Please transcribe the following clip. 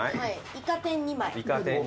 イカ天２枚。